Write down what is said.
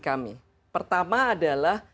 kami pertama adalah